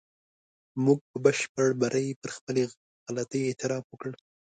موږ په بشپړ بري پر خپلې غلطۍ اعتراف وکړ.